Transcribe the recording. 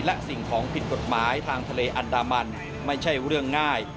และสิ่งของผิดกฎหมายทางทะเลอันดามันไม่ใช่เรื่องง่าย